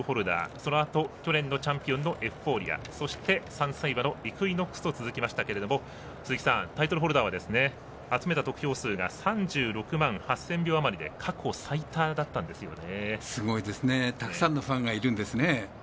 そのあと去年のチャンピオンエフフォーリアそして３歳馬のイクイノックスと続きましたけどもタイトルホルダーは集めた得票数が３６万８０００票余りで過去最多だったんですよね。